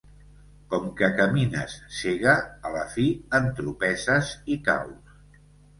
Com que camines cega, a la fi entropesses i caus.